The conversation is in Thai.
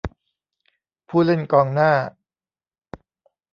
ผู้เล่นกองหน้า